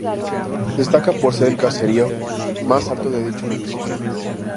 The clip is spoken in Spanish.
Destaca por ser el caserío más alto de dicho municipio.